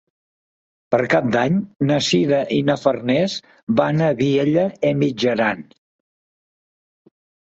Per Cap d'Any na Sira i na Farners van a Vielha e Mijaran.